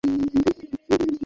শোন, আমি ভাবছি কালই চলে যাব।